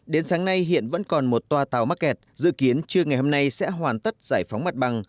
đến sáng nay hiện vẫn còn một tòa tàu mắc kẹt dự kiến trưa ngày hôm nay sẽ hoàn tất giải phóng mặt bằng